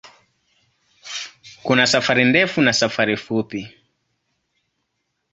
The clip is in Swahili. Kuna safari ndefu na safari fupi.